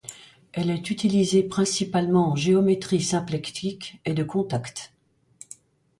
Elle est utilisée principalement en géométrie symplectique et de contact.